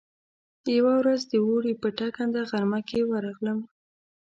يوه ورځ د اوړي په ټکنده غرمه کې ورغلم.